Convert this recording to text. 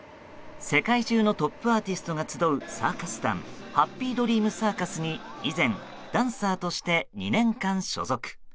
世界中のトップアーティストが集うサーカス団ハッピードリームサーカスに以前ダンサーとして２年間所属。